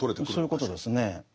そういうことですね。